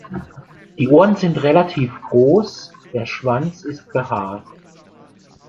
Die Ohren sind relativ groß, der Schwanz ist behaart.